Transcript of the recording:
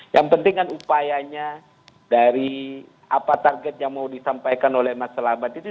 yang penting kan upayanya dari apa target yang mau disampaikan oleh mas selamat itu